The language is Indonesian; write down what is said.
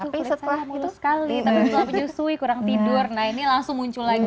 tapi setelah penyusui kurang tidur nah ini langsung muncul lagi